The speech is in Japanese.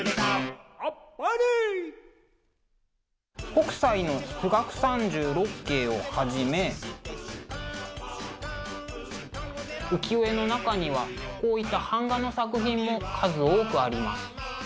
北斎の「冨嶽三十六景」をはじめ浮世絵の中にはこういった版画の作品も数多くあります。